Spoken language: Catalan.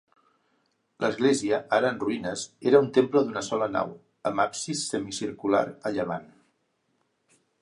L'església, ara en ruïnes, era un temple d'una sola nau, amb absis semicircular a llevant.